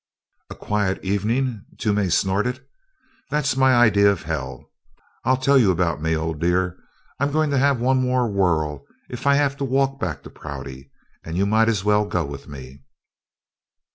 "A quiet evening!" Toomey snorted. "That's my idea of hell. I'll tell you about me, Old Dear I'm going to have one more whirl if I have to walk back to Prouty, and you might as well go with me."